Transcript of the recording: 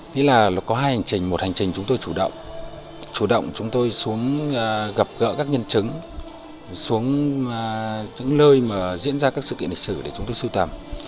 nghĩa là có hai hành trình một hành trình chúng tôi chủ động chủ động chúng tôi xuống gặp gỡ các nhân chứng xuống những nơi mà diễn ra các sự kiện lịch sử để chúng tôi sưu tầm